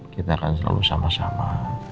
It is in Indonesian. kita akan selalu sama sama